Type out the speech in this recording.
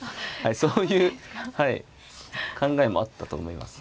そういう考えもあったと思います。